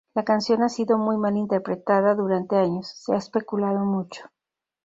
La canción ha sido muy mal interpretada durante años, se ha especulado mucho.